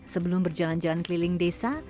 sebelum berjalan jalan keliling desa